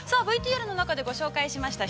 ＶＴＲの中でご紹介しました